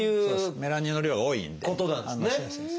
メラニンの量が多いんで反応しやすいんです。